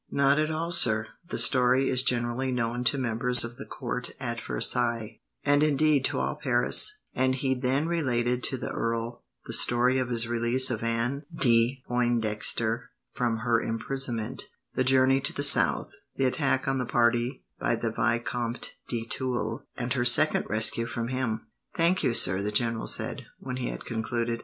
"Not at all, sir. The story is generally known to members of the court at Versailles, and indeed to all Paris;" and he then related to the earl the story of his release of Anne de Pointdexter from her imprisonment, the journey to the south, the attack on the party by the Vicomte de Tulle, and her second rescue from him. "Thank you, sir," the general said, when he had concluded.